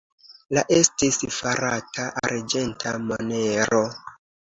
La estis farata arĝenta monero.